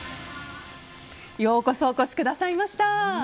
ようこそお越しくださいました。